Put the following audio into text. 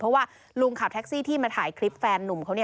เพราะว่าลุงขับแท็กซี่ที่มาถ่ายคลิปแฟนนุ่มเขา